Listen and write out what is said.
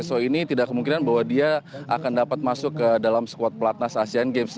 so ini tidak kemungkinan bahwa dia akan dapat masuk ke dalam squad pelatnas asian games